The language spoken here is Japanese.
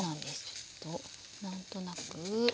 ちょっと何となく。